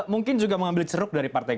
mungkin juga mengambil ceruk dari partai